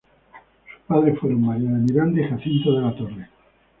Sus padres fueron María de Miranda y Jacinto de la Torre.